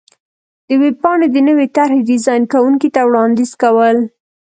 -د ویبپاڼې د نوې طر حې ډېزان کوونکي ته وړاندیز کو ل